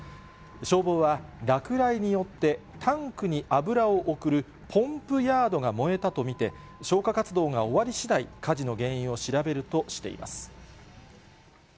消防は落雷によってタンクに油を送るポンプヤードが燃えたと見て、消火活動が終わりしだい、火事の原因を調べるとしています。